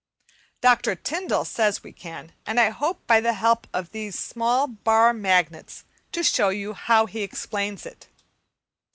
Dr. Tyndall says we can, and I hope by the help of these small bar magnets to show you how he explains it.